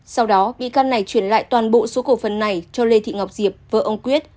sau đó bị can này chuyển lại toàn bộ số cổ phần này cho lê thị ngọc diệp vợ ông quyết